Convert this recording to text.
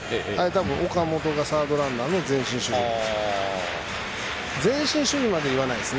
岡本がサードランナーの前進守備なんです。